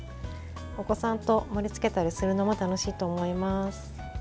お子さんと盛りつけたりするのも楽しいと思います。